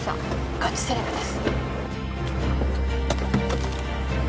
ガチセレブです